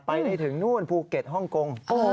ไปถึงนู่นภูเก็ตฮ่องกง